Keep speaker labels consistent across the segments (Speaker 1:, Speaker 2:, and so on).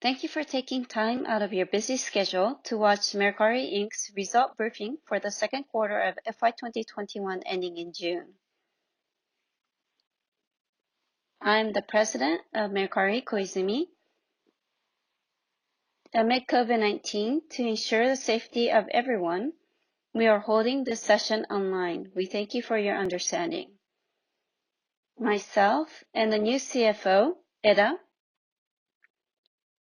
Speaker 1: Thank you for taking time out of your busy schedule to watch Mercari, Inc.'s result briefing for the second quarter of FY 2021, ending in June. I'm the President of Mercari, Koizumi. Amid COVID-19, to ensure the safety of everyone, we are holding this session online. We thank you for your understanding. Myself and the new CFO, Eda,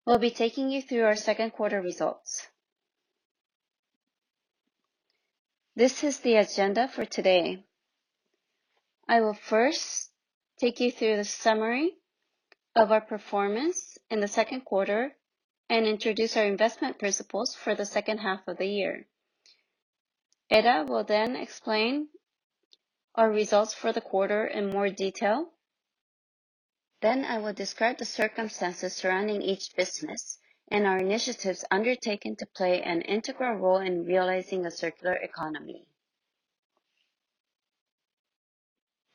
Speaker 1: will be taking you through our second quarter results. This is the agenda for today. I will first take you through the summary of our performance in the second quarter and introduce our investment principles for the second half of the year. Eda will then explain our results for the quarter in more detail. I will then describe the circumstances surrounding each business and our initiatives undertaken to play an integral role in realizing a circular economy.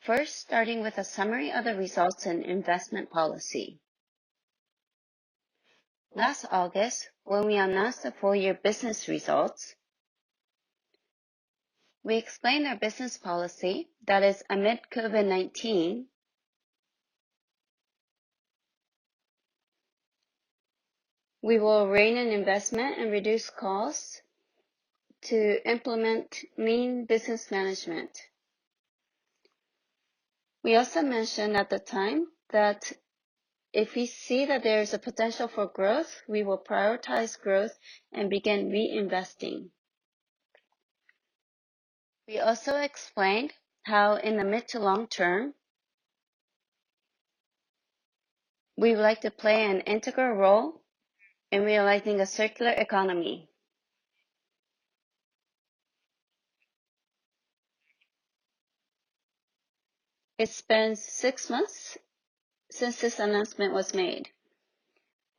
Speaker 1: First, starting with a summary of the results and investment policy. Last August, when we announced the full year business results, we explained our business policy that is, amid COVID-19, we will rein in investment and reduce costs to implement lean business management. We also mentioned at the time that if we see that there is a potential for growth, we will prioritize growth and begin reinvesting. We also explained how, in the mid to long term, we would like to play an integral role in realizing a circular economy. It's been six months since this announcement was made.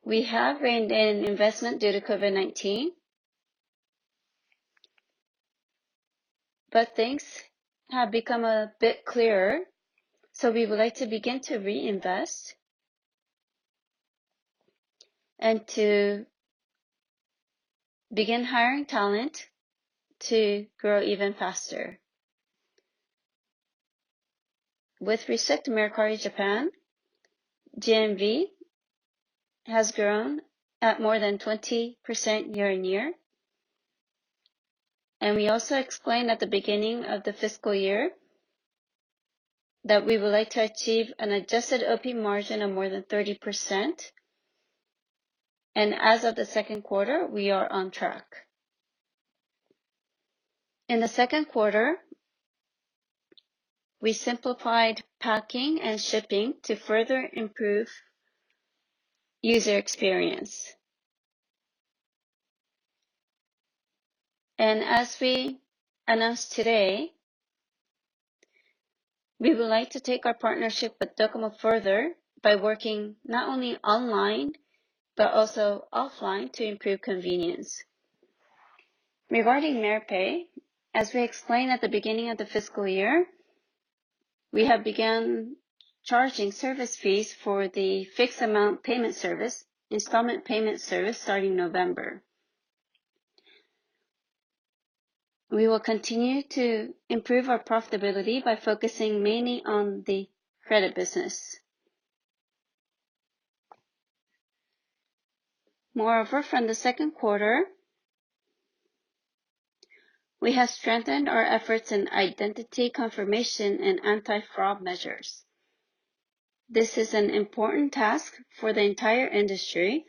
Speaker 1: We have reined in investment due to COVID-19, things have become a bit clearer, so we would like to begin to reinvest and to begin hiring talent to grow even faster. With respect to Mercari Japan, GMV has grown at more than 20% year-on-year. We also explained at the beginning of the fiscal year that we would like to achieve an adjusted OP margin of more than 30%, and as of the second quarter, we are on track. In the second quarter, we simplified packing and shipping to further improve user experience. As we announced today, we would like to take our partnership with DOCOMO further by working not only online, but also offline to improve convenience. Regarding Merpay, as we explained at the beginning of the fiscal year, we have begun charging service fees for the fixed amount payment service, installment payment service starting November. We will continue to improve our profitability by focusing mainly on the credit business. Moreover, from the second quarter, we have strengthened our efforts in identity confirmation and anti-fraud measures. This is an important task for the entire industry,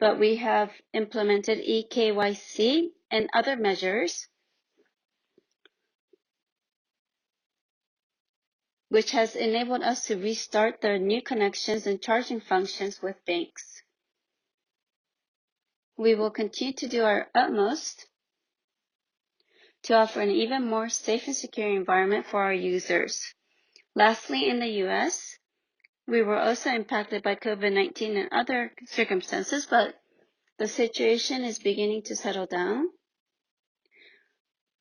Speaker 1: we have implemented eKYC and other measures, which has enabled us to restart the new connections and charging functions with banks. We will continue to do our utmost to offer an even more safe and secure environment for our users. Lastly, in the U.S., we were also impacted by COVID-19 and other circumstances, but the situation is beginning to settle down.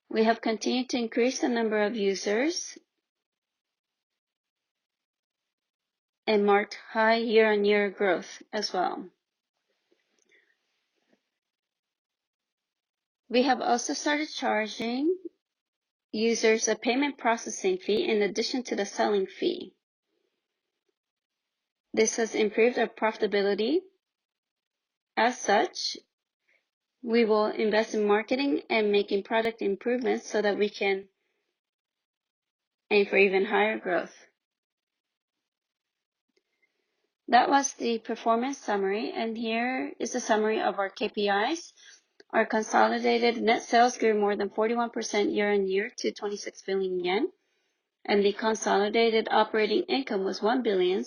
Speaker 1: We have continued to increase the number of users and marked high year-on-year growth as well. We have also started charging users a payment processing fee in addition to the selling fee. This has improved our profitability. As such, we will invest in marketing and making product improvements so that we can aim for even higher growth. That was the performance summary, and here is a summary of our KPIs. Our consolidated net sales grew more than 41% year-on-year to 26 billion yen, the consolidated operating income was 1 billion,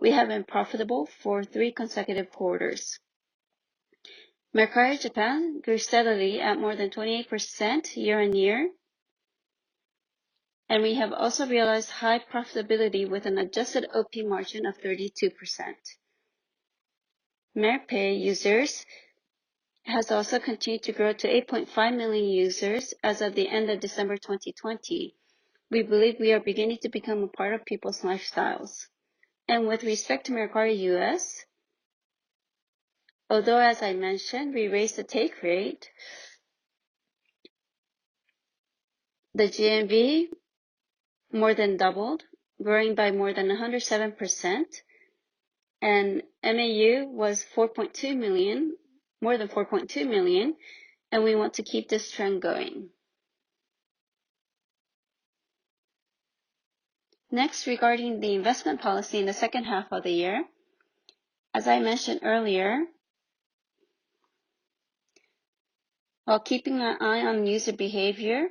Speaker 1: we have been profitable for three consecutive quarters. Mercari Japan grew steadily at more than 28% year-on-year, we have also realized high profitability with an adjusted OP margin of 32%. Merpay users has also continued to grow to 8.5 million users as of the end of December 2020. We believe we are beginning to become a part of people's lifestyles. With respect to Mercari US, although as I mentioned, we raised the take rate, the GMV more than doubled, growing by more than 107%, MAU was more than 4.2 million, we want to keep this trend going. Next, regarding the investment policy in the second half of the year, as I mentioned earlier, while keeping an eye on user behavior,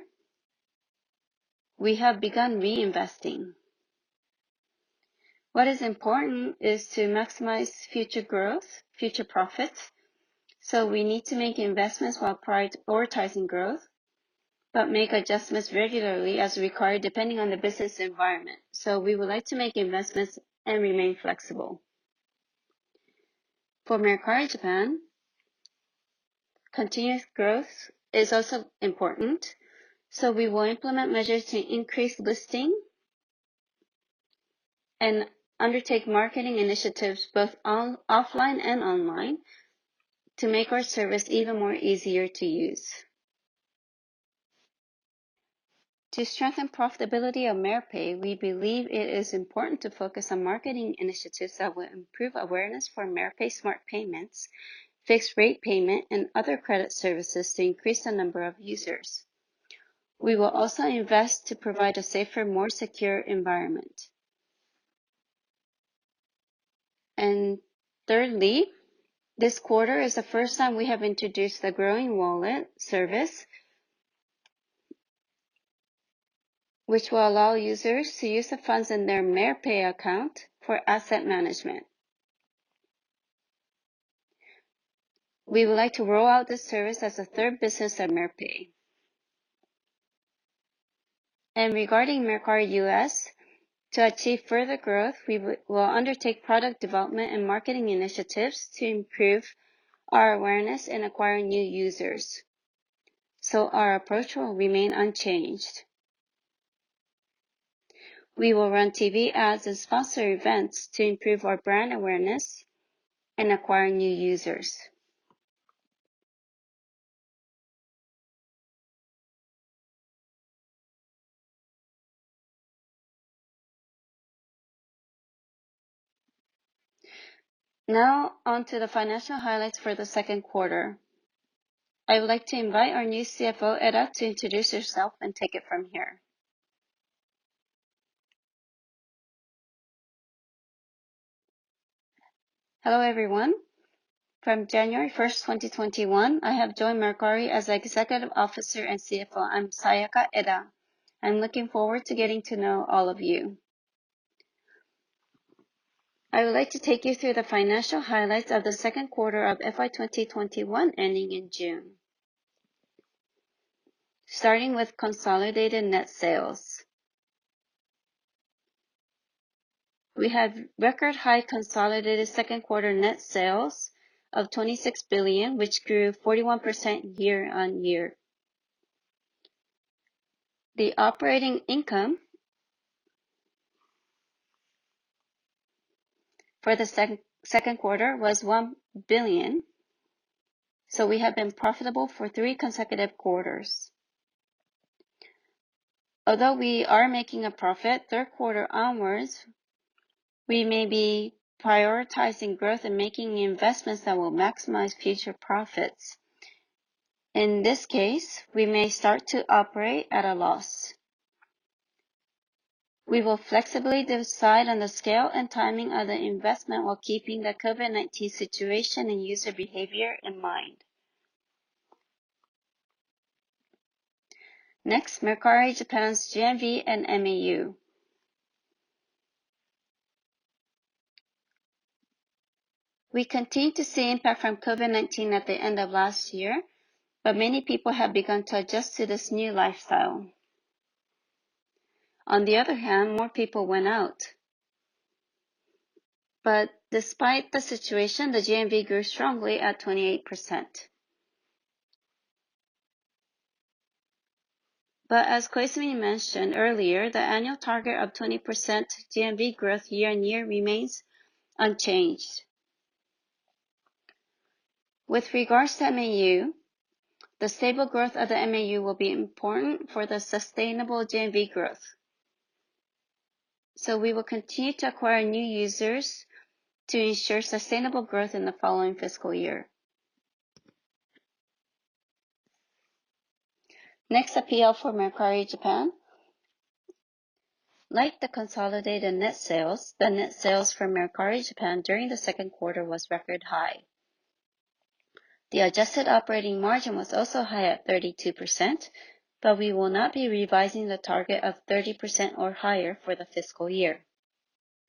Speaker 1: we have begun reinvesting. What is important is to maximize future profits, so we need to make investments while prioritizing growth, but make adjustments regularly as required depending on the business environment. We would like to make investments and remain flexible. For Mercari Japan, continuous growth is also important, so we will implement measures to increase listing and undertake marketing initiatives both offline and online to make our service even more easier to use. To strengthen profitability of Merpay, we believe it is important to focus on marketing initiatives that will improve awareness for Merpay Smart Payments, fixed rate payment, and other credit services to increase the number of users. We will also invest to provide a safer, more secure environment. Thirdly, this quarter is the first time we have introduced the Growing Wallet service, which will allow users to use the funds in their Merpay account for asset management. We would like to roll out this service as a third business at Merpay. Regarding Mercari US, to achieve further growth, we will undertake product development and marketing initiatives to improve our awareness in acquiring new users. Our approach will remain unchanged. We will run TV ads and sponsor events to improve our brand awareness and acquire new users. On to the financial highlights for the second quarter. I would like to invite our new CFO, Eda, to introduce herself and take it from here.
Speaker 2: Hello, everyone. From January 1st, 2021, I have joined Mercari as Executive Officer and CFO. I'm Sayaka Eda. I'm looking forward to getting to know all of you. I would like to take you through the financial highlights of the second quarter of FY 2021 ending in June. Starting with consolidated net sales. We have record high consolidated second quarter net sales of 26 billion, which grew 41% year-on-year. The operating income for the second quarter was 1 billion. We have been profitable for three consecutive quarters. Although we are making a profit, third quarter onwards, we may be prioritizing growth and making investments that will maximize future profits. In this case, we may start to operate at a loss. We will flexibly decide on the scale and timing of the investment while keeping the COVID-19 situation and user behavior in mind. Next, Mercari Japan's GMV and MAU. We continue to see impact from COVID-19 at the end of last year, but many people have begun to adjust to this new lifestyle. On the other hand, more people went out. Despite the situation, the GMV grew strongly at 28%. As Koizumi mentioned earlier, the annual target of 20% GMV growth year on year remains unchanged. With regards to MAU, the stable growth of the MAU will be important for the sustainable GMV growth. We will continue to acquire new users to ensure sustainable growth in the following fiscal year. Next appeal for Mercari Japan. Like the consolidated net sales, the net sales for Mercari Japan during the second quarter was record high. The adjusted operating margin was also high at 32%, we will not be revising the target of 30% or higher for the fiscal year.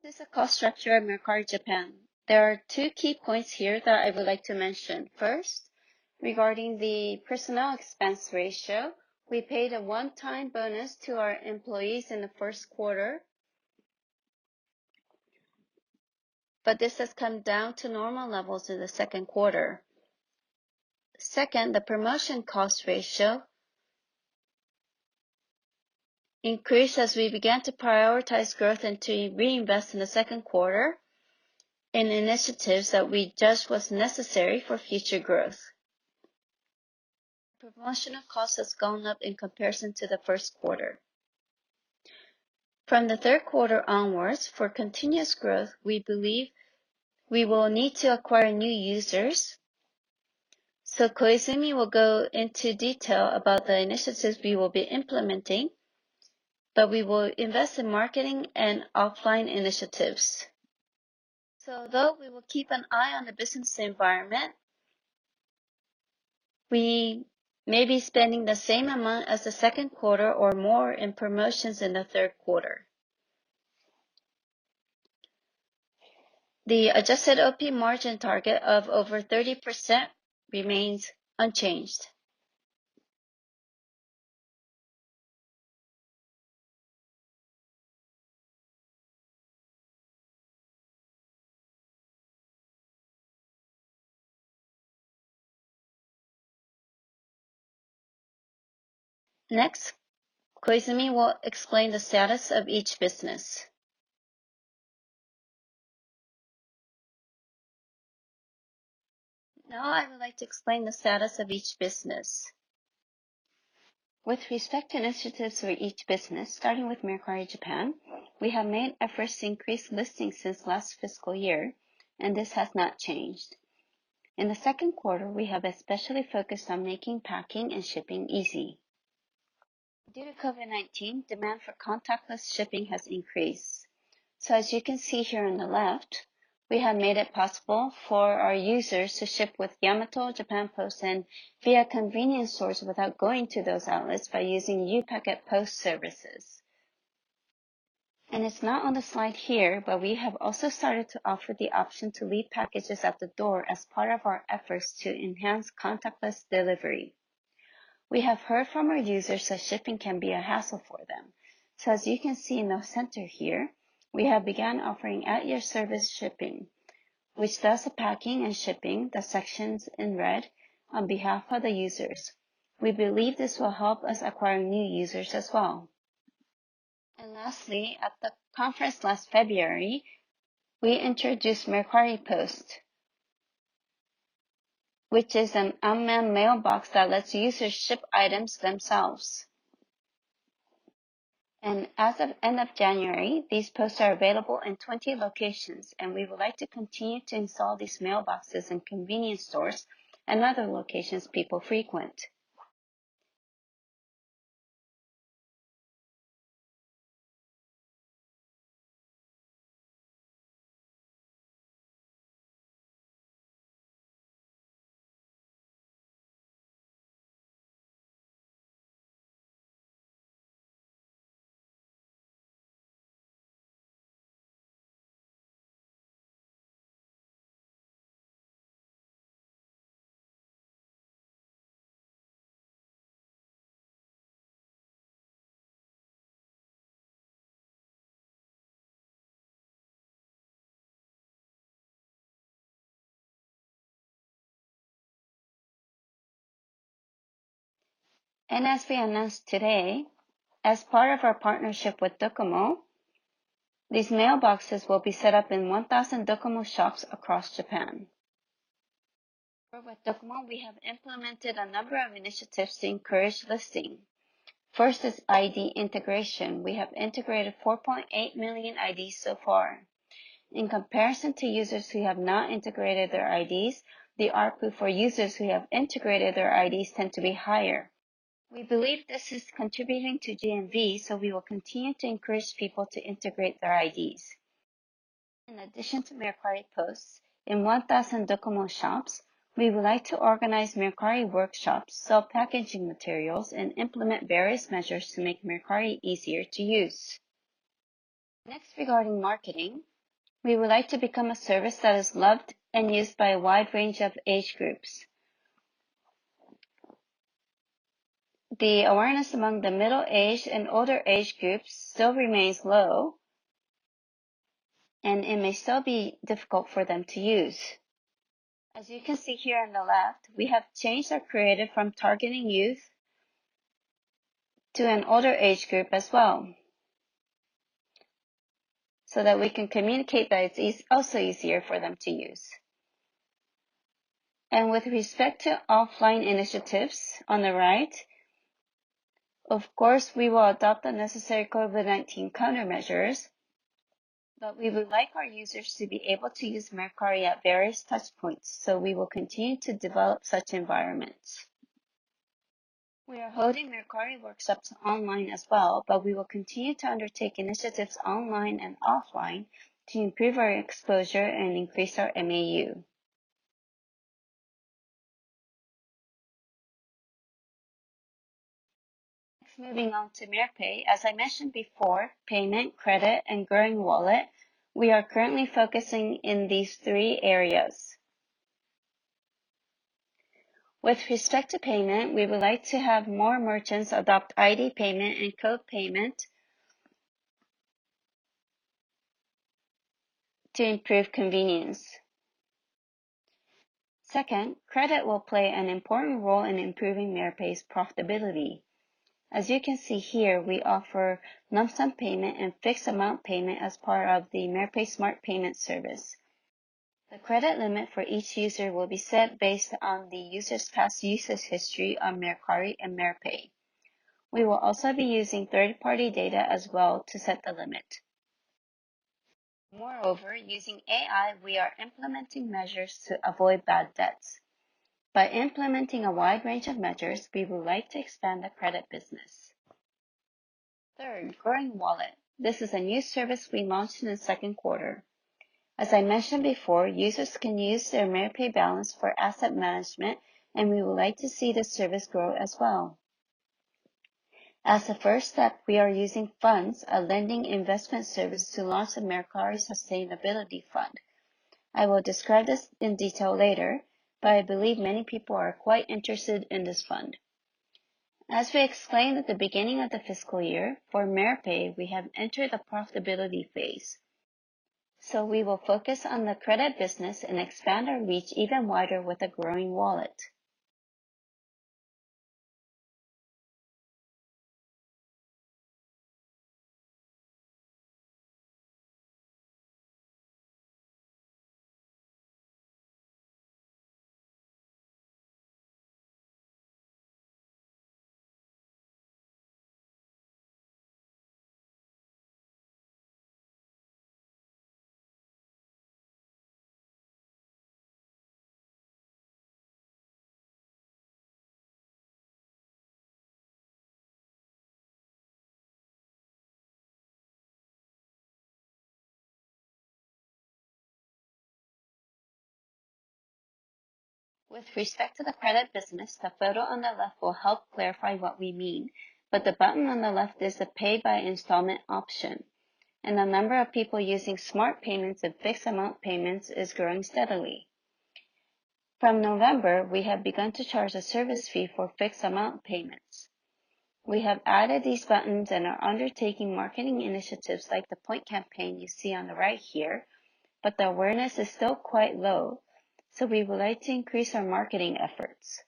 Speaker 2: This is the cost structure of Mercari Japan. There are two key points here that I would like to mention. First, regarding the personnel expense ratio, we paid a one-time bonus to our employees in the first quarter. This has come down to normal levels in the second quarter. Second, the promotion cost ratio increased as we began to prioritize growth and to reinvest in the second quarter in initiatives that we judged were necessary for future growth. Promotional cost has gone up in comparison to the first quarter. From the third quarter onwards, for continuous growth, we believe we will need to acquire new users. Koizumi will go into detail about the initiatives we will be implementing, but we will invest in marketing and offline initiatives. Although we will keep an eye on the business environment, we may be spending the same amount as the second quarter or more in promotions in the third quarter. The adjusted OP margin target of over 30% remains unchanged. Next, Koizumi will explain the status of each business.
Speaker 1: Now I would like to explain the status of each business. With respect to initiatives for each business, starting with Mercari Japan, we have made efforts to increase listings since last fiscal year, and this has not changed. In the second quarter, we have especially focused on making packing and shipping easy. Due to COVID-19, demand for contactless shipping has increased. As you can see here on the left, we have made it possible for our users to ship with Yamato, Japan Post, and via convenience stores without going to those outlets by using Yu-Packet Post services. It's not on the slide here, but we have also started to offer the option to leave packages at the door as part of our efforts to enhance contactless delivery. We have heard from our users that shipping can be a hassle for them. As you can see in the center here, we have begun offering at-your-service shipping, which does the packing and shipping, the sections in red, on behalf of the users. We believe this will help us acquire new users as well. Lastly, at the conference last February, we introduced Mercari Post, which is an unmanned mailbox that lets users ship items themselves. As of end of January, these posts are available in 20 locations, and we would like to continue to install these mailboxes in convenience stores and other locations people frequent. As we announced today, as part of our partnership with DOCOMO, these mailboxes will be set up in 1,000 DOCOMO shops across Japan. With DOCOMO, we have implemented a number of initiatives to encourage listing. First is ID integration. We have integrated 4.8 million IDs so far. In comparison to users who have not integrated their IDs, the ARPU for users who have integrated their IDs tend to be higher. We believe this is contributing to GMV. We will continue to encourage people to integrate their IDs. In addition to Mercari posts in 1,000 DOCOMO shops, we would like to organize Mercari workshops, sell packaging materials, and implement various measures to make Mercari easier to use. Regarding marketing, we would like to become a service that is loved and used by a wide range of age groups. The awareness among the middle-aged and older age groups still remains low, and it may still be difficult for them to use. As you can see here on the left, we have changed our creative from targeting youth to an older age group as well, so that we can communicate that it is also easier for them to use. With respect to offline initiatives on the right, of course, we will adopt the necessary COVID-19 countermeasures, but we would like our users to be able to use Mercari at various touchpoints. We will continue to develop such environments. We are holding Mercari workshops online as well, but we will continue to undertake initiatives online and offline to improve our exposure and increase our MAU. Moving on to Merpay. As I mentioned before, payment, credit, and Growing Wallet, we are currently focusing in these three areas. With respect to payment, we would like to have more merchants adopt iD payment and code payment to improve convenience. Second, credit will play an important role in improving Merpay's profitability. As you can see here, we offer lump sum payment and fixed amount payment as part of the Merpay Smart Payment service. The credit limit for each user will be set based on the user's past usage history on Mercari and Merpay. We will also be using third-party data as well to set the limit. Using AI, we are implementing measures to avoid bad debts. By implementing a wide range of measures, we would like to expand the credit business. Third, Growing Wallet. This is a new service we launched in the second quarter. As I mentioned before, users can use their Merpay balance for asset management, and we would like to see this service grow as well. As a first step, we are using Funds, a lending investment service, to launch the Mercari Sustainability Fund. I will describe this in detail later, but I believe many people are quite interested in this fund. As we explained at the beginning of the fiscal year, for Merpay, we have entered the profitability phase. We will focus on the credit business and expand our reach even wider with a Growing Wallet. With respect to the credit business, the photo on the left will help clarify what we mean, but the button on the left is the pay by installment option. The number of people using Smart Payments and fixed amount payments is growing steadily. From November, we have begun to charge a service fee for fixed amount payments. We have added these buttons and are undertaking marketing initiatives like the point campaign you see on the right here, but the awareness is still quite low, so we would like to increase our marketing efforts.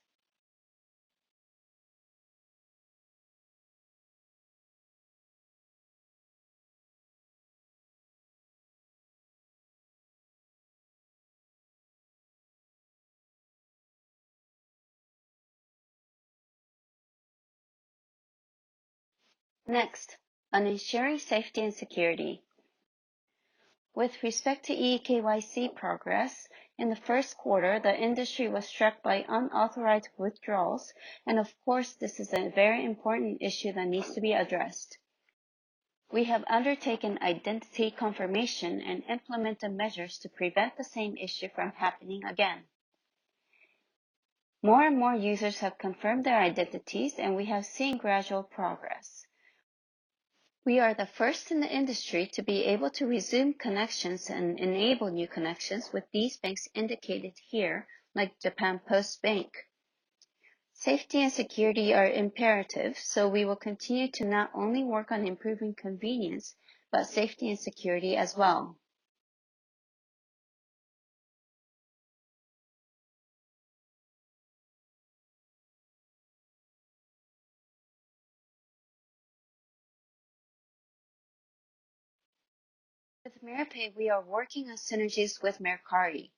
Speaker 1: Next, on ensuring safety and security. With respect to eKYC progress, in the first quarter, the industry was struck by unauthorized withdrawals, and of course, this is a very important issue that needs to be addressed. We have undertaken identity confirmation and implemented measures to prevent the same issue from happening again. More and more users have confirmed their identities, and we have seen gradual progress. We are the first in the industry to be able to resume connections and enable new connections with these banks indicated here, like Japan Post Bank. Safety and security are imperative, so we will continue to not only work on improving convenience, but safety and security as well. With Merpay, we are working on synergies with Mercari.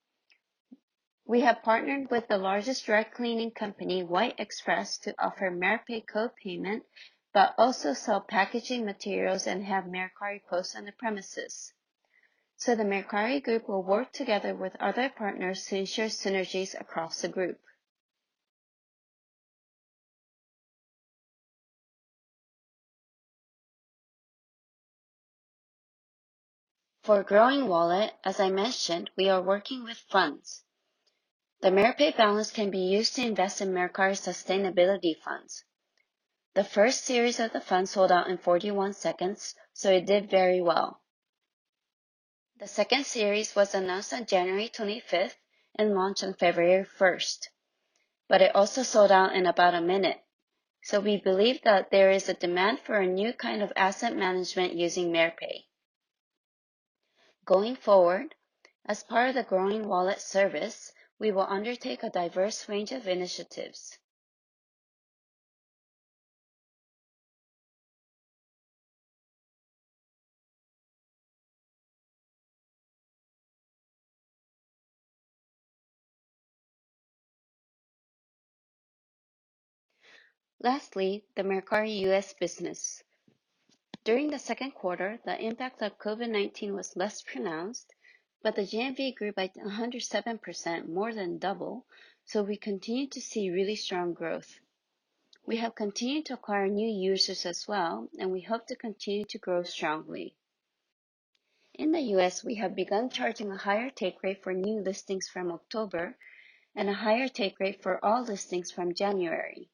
Speaker 1: We have partnered with the largest dry cleaning company, White Express, to offer Merpay code payment, but also sell packaging materials and have Mercari Post on the premises. The Mercari Group will work together with other partners to ensure synergies across the group. For Growing Wallet, as I mentioned, we are working with Funds. The Merpay balance can be used to invest in Mercari Sustainability Fund. The first series of the fund sold out in 41 seconds, so it did very well. The second series was announced on January 25th and launched on February 1st, but it also sold out in about a minute. We believe that there is a demand for a new kind of asset management using Merpay. Going forward, as part of the Growing Wallet service, we will undertake a diverse range of initiatives. Lastly, the Mercari US business. During the second quarter, the impact of COVID-19 was less pronounced, but the GMV grew by 107%, more than double, so we continue to see really strong growth. We have continued to acquire new users as well, and we hope to continue to grow strongly. In the U.S., we have begun charging a higher take rate for new listings from October and a higher take rate for all listings from January.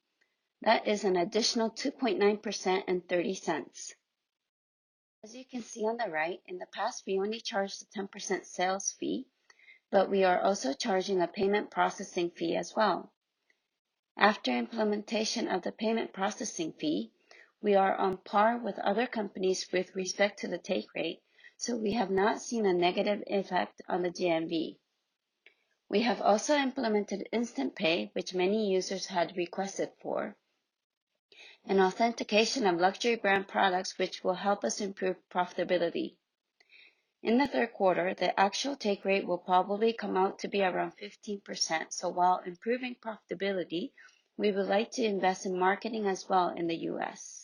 Speaker 1: That is an additional 2.9% and $0.30. As you can see on the right, in the past, we only charged a 10% sales fee, but we are also charging a payment processing fee as well. After implementation of the payment processing fee, we are on par with other companies with respect to the take rate, so we have not seen a negative effect on the GMV. We have also implemented Instant Pay, which many users had requested for, and authentication of luxury brand products which will help us improve profitability. In the third quarter, the actual take rate will probably come out to be around 15%. While improving profitability, we would like to invest in marketing as well in the U.S.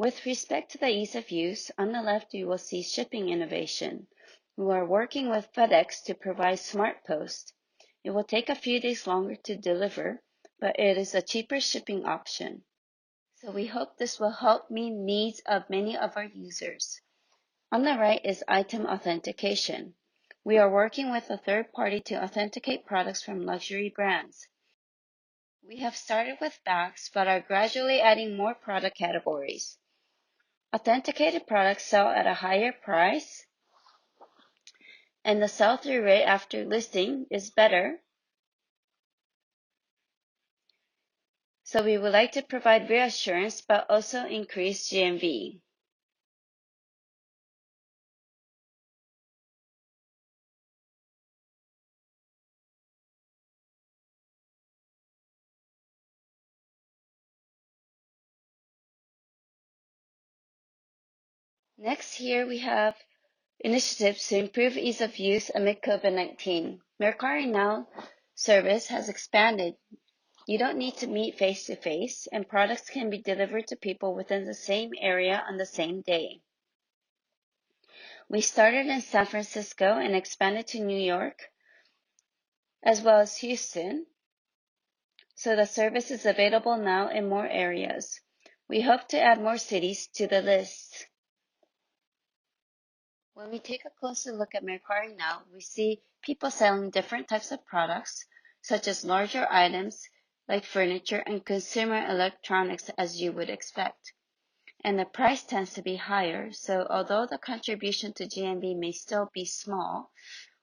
Speaker 1: With respect to the ease of use, on the left, you will see shipping innovation. We are working with FedEx to provide SmartPost. It will take a few days longer to deliver, but it is a cheaper shipping option. We hope this will help meet needs of many of our users. On the right is item authentication. We are working with a third party to authenticate products from luxury brands. We have started with bags but are gradually adding more product categories. Authenticated products sell at a higher price, and the sell-through rate after listing is better. We would like to provide reassurance but also increase GMV. Next here, we have initiatives to improve ease of use amid COVID-19. Mercari Now service has expanded. You don't need to meet face-to-face. Products can be delivered to people within the same area on the same day. We started in San Francisco and expanded to New York as well as Houston. The service is available now in more areas. We hope to add more cities to the list. When we take a closer look at Mercari Now, we see people selling different types of products, such as larger items like furniture and consumer electronics as you would expect. The price tends to be higher, so although the contribution to GMV may still be small,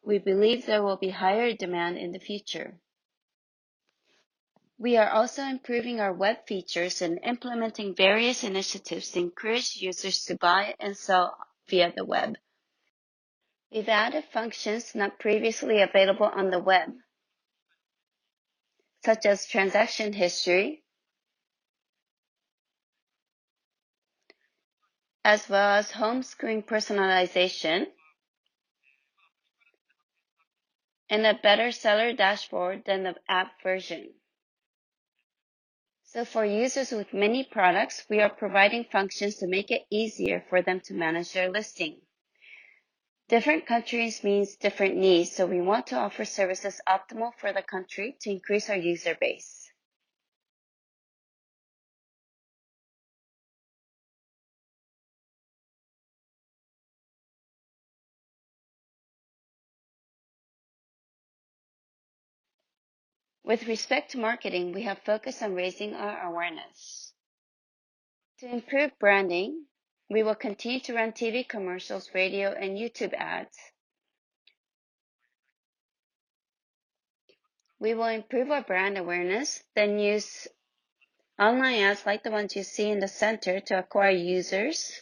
Speaker 1: we believe there will be higher demand in the future. We are also improving our web features and implementing various initiatives to encourage users to buy and sell via the web. We've added functions not previously available on the web, such as transaction history, as well as home screen personalization, and a better seller dashboard than the app version. For users with many products, we are providing functions to make it easier for them to manage their listing. Different countries means different needs. We want to offer services optimal for the country to increase our user base. With respect to marketing, we have focused on raising our awareness. To improve branding, we will continue to run TV commercials, radio, and YouTube ads. We will improve our brand awareness. We will use online ads like the ones you see in the center to acquire users.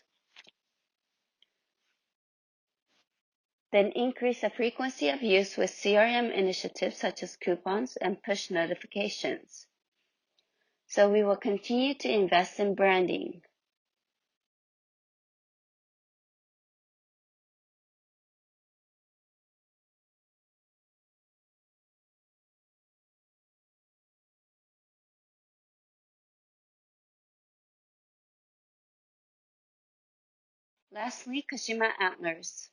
Speaker 1: Increase the frequency of use with CRM initiatives such as coupons and push notifications. We will continue to invest in branding. Lastly, Kashima Antlers.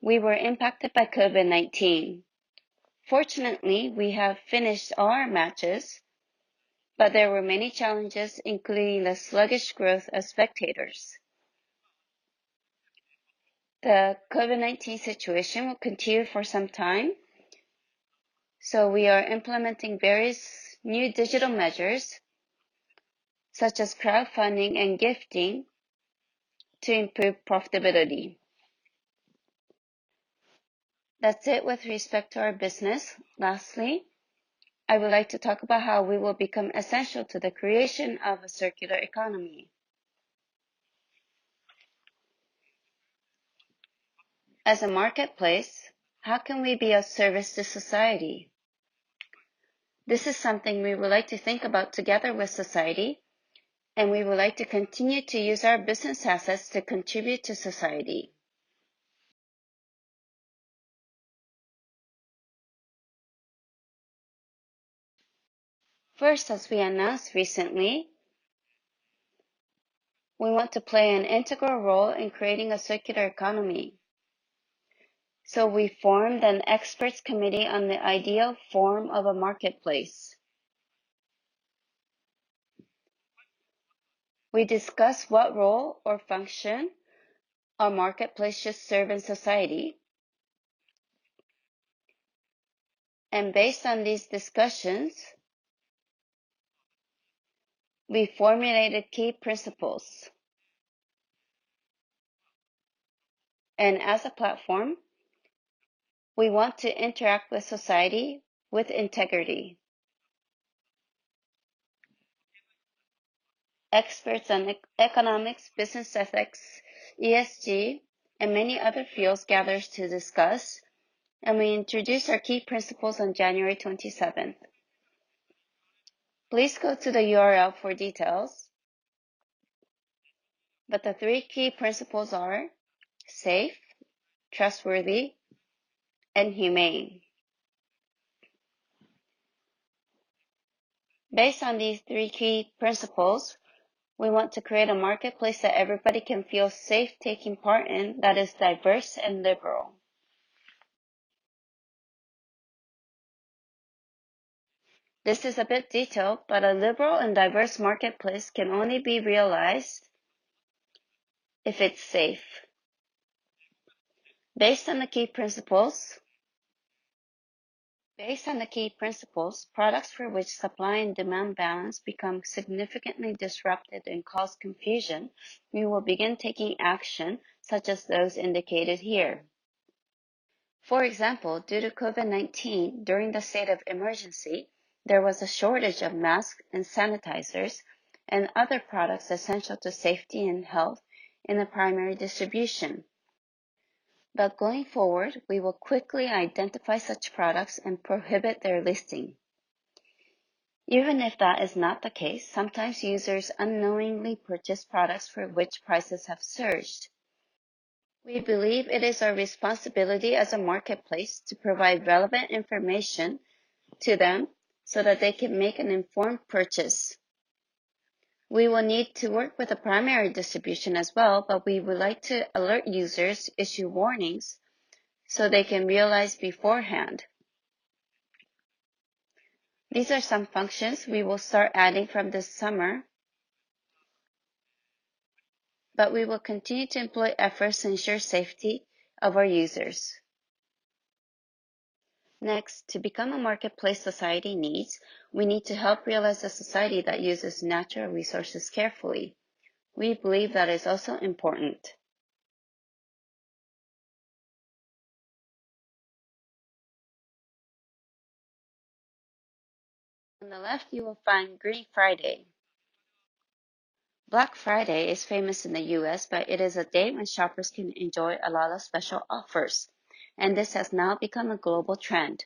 Speaker 1: We were impacted by COVID-19. Fortunately, we have finished all our matches, but there were many challenges, including the sluggish growth of spectators. The COVID-19 situation will continue for some time, so we are implementing various new digital measures, such as crowdfunding and gifting, to improve profitability. That's it with respect to our business. Lastly, I would like to talk about how we will become essential to the creation of a circular economy. As a marketplace, how can we be of service to society? This is something we would like to think about together with society, and we would like to continue to use our business assets to contribute to society. First, as we announced recently, we want to play an integral role in creating a circular economy. We formed an experts committee on the ideal form of a marketplace. We discussed what role or function a marketplace should serve in society. Based on these discussions, we formulated key principles. As a platform, we want to interact with society with integrity. Experts on economics, business ethics, ESG, and many other fields gathered to discuss. We introduced our key principles on January 27th. Please go to the url for details. The three key principles are safe, trustworthy, and humane. Based on these three key principles, we want to create a marketplace that everybody can feel safe taking part in, that is diverse and liberal. This is a bit detailed, but a liberal and diverse marketplace can only be realized if it's safe. Based on the key principles, products for which supply and demand balance become significantly disrupted and cause confusion, we will begin taking action such as those indicated here. For example, due to COVID-19, during the state of emergency, there was a shortage of masks and sanitizers and other products essential to safety and health in the primary distribution. Going forward, we will quickly identify such products and prohibit their listing. Even if that is not the case, sometimes users unknowingly purchase products for which prices have surged. We believe it is our responsibility as a marketplace to provide relevant information to them so that they can make an informed purchase. We will need to work with the primary distribution as well, but we would like to alert users, issue warnings so they can realize beforehand. These are some functions we will start adding from this summer, but we will continue to employ efforts to ensure safety of our users. To become a marketplace society needs, we need to help realize a society that uses natural resources carefully. We believe that is also important. On the left, you will find Green Friday. Black Friday is famous in the U.S., but it is a day when shoppers can enjoy a lot of special offers, and this has now become a global trend.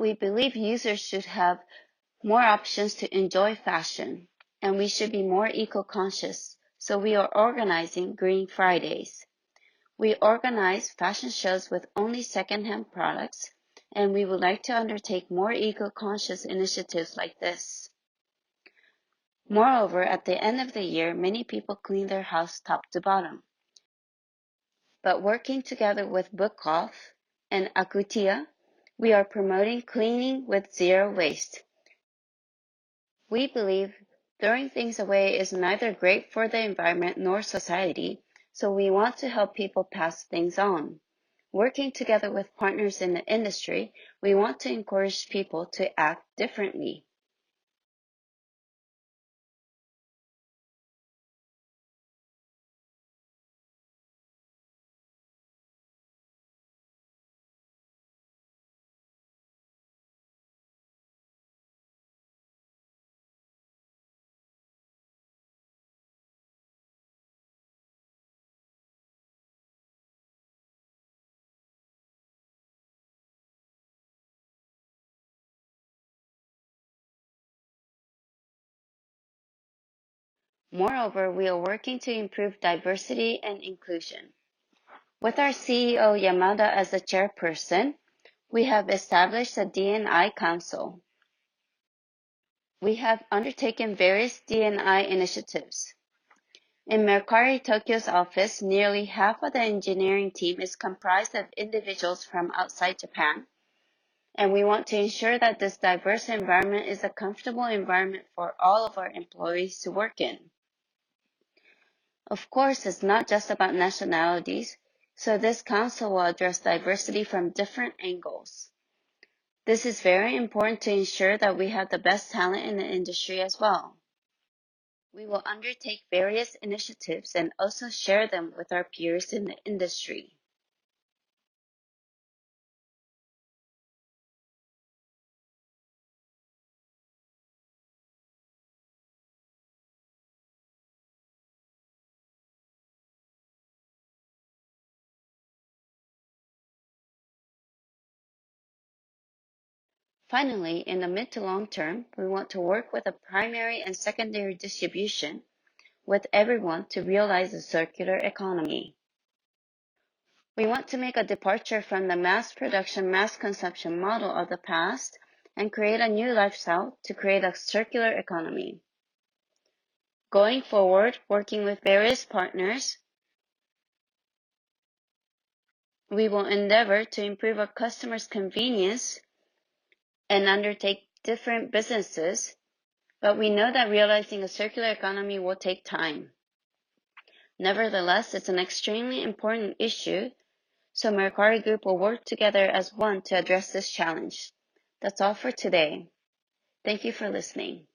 Speaker 1: We believe users should have more options to enjoy fashion, and we should be more eco-conscious, so we are organizing Green Fridays. We organize fashion shows with only secondhand products, and we would like to undertake more eco-conscious initiatives like this. Moreover, at the end of the year, many people clean their house top to bottom. Working together with BOOKOFF and Aqutia, we are promoting cleaning with zero waste. We believe throwing things away is neither great for the environment nor society, so we want to help people pass things on. Working together with partners in the industry, we want to encourage people to act differently. Moreover, we are working to improve diversity and inclusion. With our CEO, Yamada, as the Chairperson, we have established a D&I Council. We have undertaken various D&I initiatives. In Mercari Tokyo's office, nearly half of the engineering team is comprised of individuals from outside Japan, and we want to ensure that this diverse environment is a comfortable environment for all of our employees to work in. It's not just about nationalities, so this council will address diversity from different angles. This is very important to ensure that we have the best talent in the industry as well. We will undertake various initiatives and also share them with our peers in the industry. Finally, in the mid to long term, we want to work with the primary and secondary distribution, with everyone to realize a circular economy. We want to make a departure from the mass production, mass consumption model of the past and create a new lifestyle to create a circular economy. Going forward, working with various partners, we will endeavor to improve our customers' convenience and undertake different businesses, but we know that realizing a circular economy will take time. Nevertheless, it's an extremely important issue, so Mercari Group will work together as one to address this challenge. That's all for today. Thank you for listening.